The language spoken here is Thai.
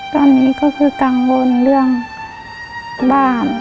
ตอนนี้ก็คือกังวลเรื่องบ้าน